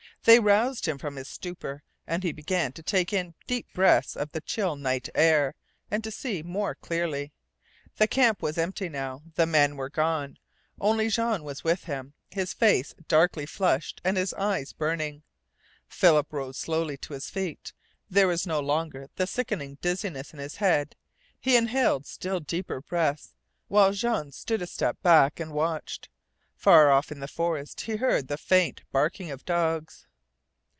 They roused him from his stupor, and he began to take in deep breaths of the chill night air, and to see more clearly. The camp was empty now. The men were gone. Only Jean was with him, his face darkly flushed and his eyes burning. Philip rose slowly to his feet. There was no longer the sickening dizziness in his head, He inhaled still deeper breaths, while Jean stood a step back and watched. Far off in the forest he heard the faint barking of dogs.